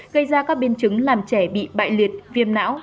gây ra các biến chứng làm trẻ bị bại liệt viêm não